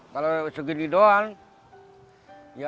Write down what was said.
kalau segini doang